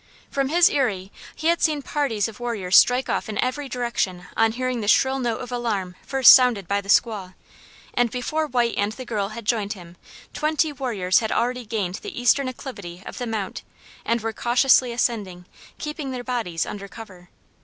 From his eyrie he had seen parties of warriors strike off in every direction on hearing the shrill note of alarm first sounded by the squaw, and before White and the girl had joined him, twenty warriors had already gained the eastern acclivity of the Mount and were cautiously ascending, keeping their bodies under cover.